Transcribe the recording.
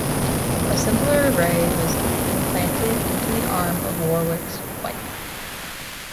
A simpler array was implanted into the arm of Warwick's wife.